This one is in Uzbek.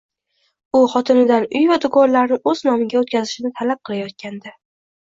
U xotinidan uy va do`konlarni o`z nomiga o`tkazishni talab qilayotgandi